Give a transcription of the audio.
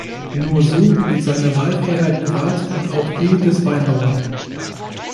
Nur so wird seine Wahlfreiheit gewahrt, und auch die des Weinbauern.